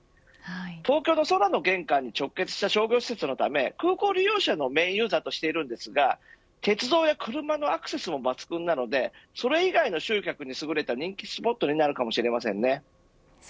東京の空の玄関に直結した商業施設のため空港利用者をメーンユーザーにしていますが、鉄道や車のアクセスも抜群なので集客にすぐれた人気スポットにそうですね。